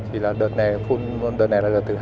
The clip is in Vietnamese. thì là đợt này phun